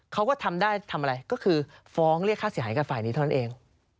เขาก็ทำได้ทำอะไรก็คือฟ้องเรียกค่าเสียหายกับฝ่ายนี้เท่านั้นเอง